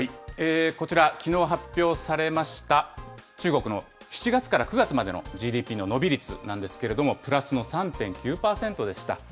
こちら、きのう発表されました、中国の７月から９月までのＧＤＰの伸び率なんですけれども、プラスの３．９％でした。